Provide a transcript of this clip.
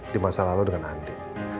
di masa lalu dengan andi